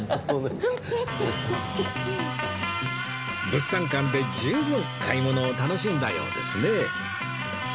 物産館で十分買い物を楽しんだようですね